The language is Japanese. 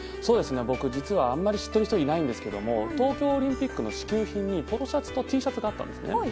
僕、実はあまり知っている人はいないんですが東京オリンピックの支給品にポロシャツとＴシャツがあったんですね。